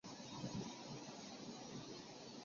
叉毛锯蕨为禾叶蕨科锯蕨属下的一个种。